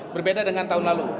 berbeda dengan tahun lalu